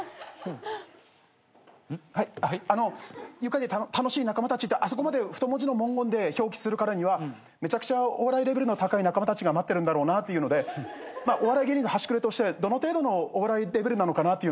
「愉快で楽しい仲間たち」ってあそこまで太文字の文言で表記するからにはめちゃくちゃお笑いレベルの高い仲間たちが待ってるんだろうなっていうのでお笑い芸人の端くれとしてどの程度のお笑いレベルなのかなっていうのを確認しておこうかな。